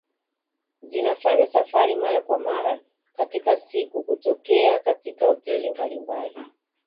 Zinafanya safari mara kwa mara katika siku kutokea katika hoteli mbalimbali